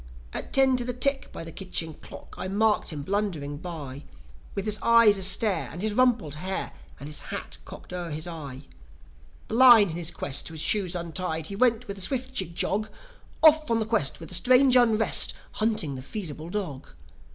At ten to the tick, by the kitchen clock, I marked him blundering by, With his eyes astare, and his rumpled hair, and his hat cocked over his eye. Blind, in his pride, to his shoes untied, he went with a swift jig jog, Off on the quest, with a strange unrest, hunting the Feasible Dog.